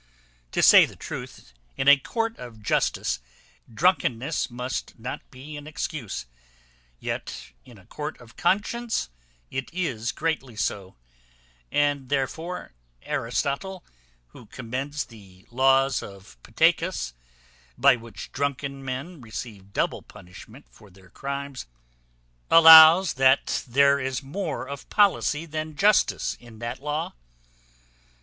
To say the truth, in a court of justice drunkenness must not be an excuse, yet in a court of conscience it is greatly so; and therefore Aristotle, who commends the laws of Pittacus, by which drunken men received double punishment for their crimes, allows there is more of policy than justice in that law.